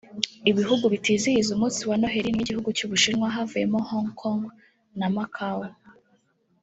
Ibihugu bitizihiza umunsi wa Noheli ni nk’igihugu cy’Ubushinwa (havuyemo Hongo Kongo na Macao)